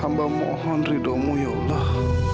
amba mohon ridomu ya allah